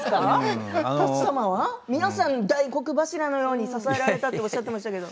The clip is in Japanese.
皆さん大黒柱のように支えられたとおっしゃっていましたけれど。